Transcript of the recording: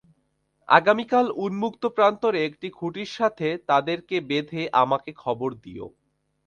আগামীকাল উন্মুক্ত প্রান্তরে একটি খুঁটির সাথে তাদেরকে বেঁধে আমাকে খবর দিও।